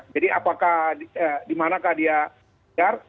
jadi apakah dimanakah dia pcr